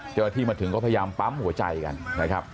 เจ้าหน้าที่มาถึงก็พยายามปั๊มหัวใจกันนะครับ